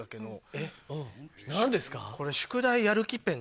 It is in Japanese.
何ですか？